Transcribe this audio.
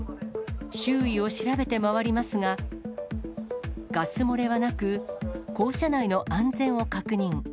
周囲を調べて回りますが、ガス漏れはなく、校舎内の安全を確認。